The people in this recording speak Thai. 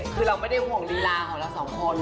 คือเราไม่ได้ห่วงลีลาของเราสองคน